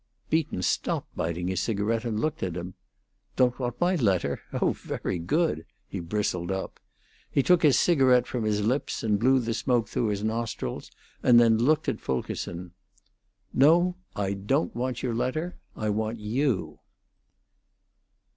Beaton stopped biting his cigarette and looked at him. "Don't want my letter? Oh, very good!" he bristled up. He took his cigarette from his lips, and blew the smoke through his nostrils, and then looked at Fulkerson. "No; I don't want your letter; I want you."